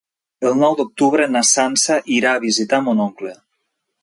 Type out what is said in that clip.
El nou d'octubre na Sança irà a visitar mon oncle.